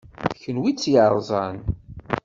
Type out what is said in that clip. D kenwi i tt-yeṛẓan.